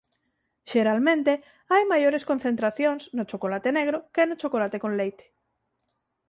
Xeralmente hai maiores concentracións no chocolate negro que no chocolate con leite.